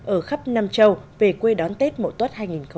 ở khắp nam châu về quê đón tết mẫu tuất hai nghìn một mươi tám